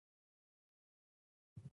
ایا زه باید جومات ته لاړ شم؟